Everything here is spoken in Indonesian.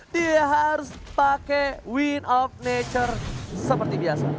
dia harus pakai win of nature seperti biasa